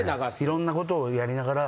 いろんなことをやりながら。